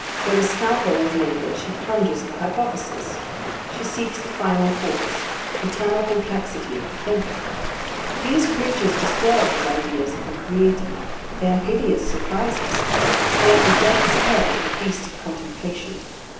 Where the scalpel has laboured, she plunges the hypothesis. She seeks the final cause. Eternal perplexity of the thinker. These creatures disturb his ideas of the Creator. They are hideous surprises. They are the death's head at the feast of contemplation.